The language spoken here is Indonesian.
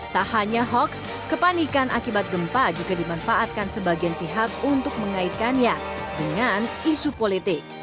tak hanya hoax kepanikan akibat gempa juga dimanfaatkan sebagian pihak untuk mengaitkannya dengan isu politik